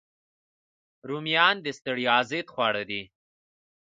رومیان د ستړیا ضد خواړه دي